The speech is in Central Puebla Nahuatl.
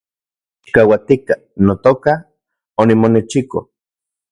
Chikauatika, notoka , onimonechiko